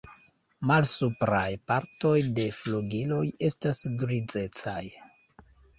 Malsupraj partoj de flugiloj estas grizecaj.